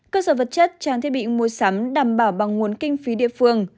cơ sở vật chất trang thiết bị mua sắm đảm bảo bằng nguồn kinh phí địa phương